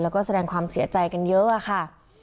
แล้วก็แสดงความเสียใจกันเยอะอะค่ะ